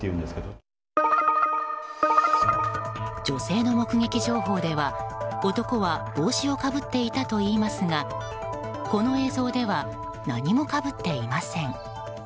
女性の目撃情報では、男は帽子をかぶっていたといいますがこの映像では何もかぶっていません。